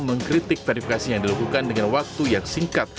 mengkritik verifikasi yang dilakukan dengan waktu yang singkat